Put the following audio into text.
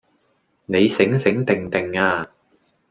你醒醒定定呀